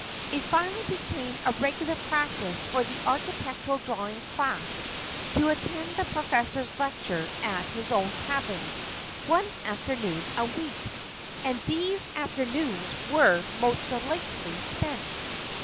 It finally became a regular practice for the architectural drawing class to attend the professor's lecture at his own cabin, one afternoon a week. And these afternoons were most delightfully spent.